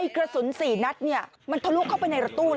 กระสุนสี่